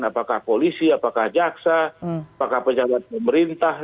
apakah polisi apakah jaksa apakah pejabat pemerintah